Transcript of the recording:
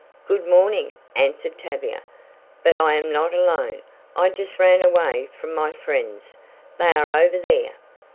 "Good morning," answered Tavia, "but I am not alone, I just ran away from my friends; they are over there."